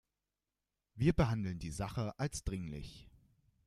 Wir behandeln die Sache als dringlich.